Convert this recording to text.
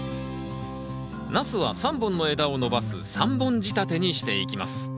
ナスは３本の枝を伸ばす３本仕立てにしていきます。